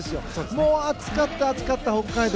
もう、暑かった暑かった北海道。